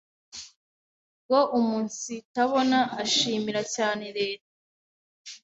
bwo umunsitabona ashimira cyane Leta